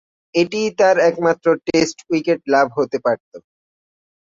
এটিই তার একমাত্র টেস্ট উইকেট লাভ হতে পারতো।